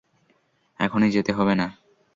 এখনই যেতে হবে না।